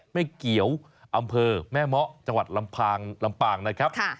แม่เกี่ยวอำเภอแม่เมาะจังหวัดลำปางนะครับ